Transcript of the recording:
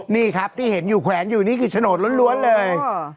นี่ครับที่เห็นอยู่แขวนอยู่นี่คือโฉนดล้วนเลย